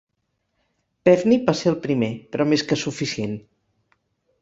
Pevney va ser el primer, però més que suficient.